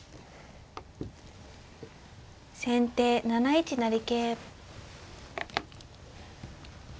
先手７一成桂。